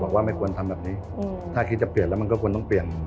ไม่ควรทำแบบนี้ถ้าคิดจะเปลี่ยนแล้วมันก็ควรต้องเปลี่ยน